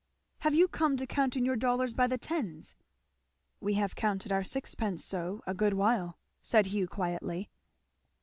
"Have you come to counting your dollars by the tens?" "We have counted our sixpences so a good while," said Hugh quietly.